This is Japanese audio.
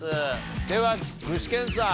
では具志堅さん。